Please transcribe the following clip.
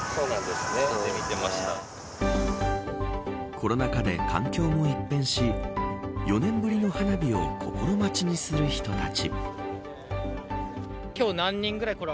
コロナ禍で環境も一変し４年ぶりの花火を心待ちにする人たち。